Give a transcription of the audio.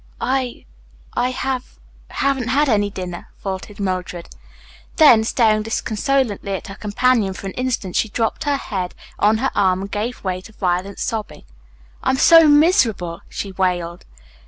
"I I have haven't had any dinner," faltered Mildred. Then, staring disconsolately at her companion for an instant, she dropped her head on her arm and gave way to violent sobbing. "I am so miserable," she wailed.